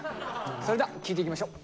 それでは聞いていきましょう。